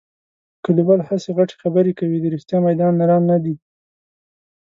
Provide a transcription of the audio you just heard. کلیوال هسې غټې خبرې کوي. د رښتیا میدان نران نه دي.